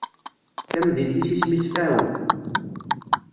Tamdint-is isem-is Faɛu.